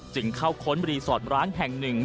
จึงเข้าค้นรีสอร์ทร้านแห่งหนึ่ง